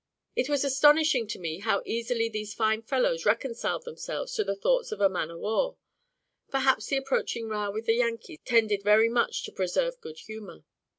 It was astonishing to me how easily these fine fellows reconciled themselves to the thoughts of a man of war; perhaps the approaching row with the Yankees tended very much to preserve good humour.